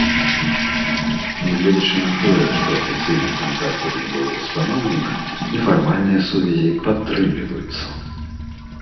Нягледзячы на тое, што афіцыйных кантактаў не было ўстаноўлена, нефармальныя сувязі падтрымліваюцца.